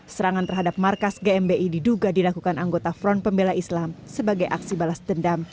serangan terhadap markas gmi diduga dilakukan anggota front pembela islam sebagai aksi balas dendam